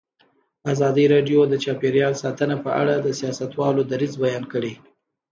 ازادي راډیو د چاپیریال ساتنه په اړه د سیاستوالو دریځ بیان کړی.